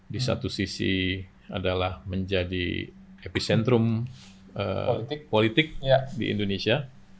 di satu sisi adalah menjadi epicentrum politik di indonesia